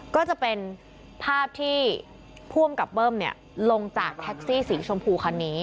ก็จะเป็นภาพที่ผู้อำกับเบิ้มลงจากแท็กซี่สีชมพูคันนี้